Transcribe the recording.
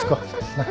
なっ？